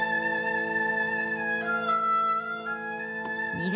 ２月。